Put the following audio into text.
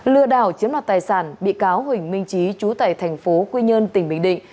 lừa đảo chiếm đoạt tài sản bị cáo huỳnh minh trí chú tài thành phố quy nhơn tỉnh bình định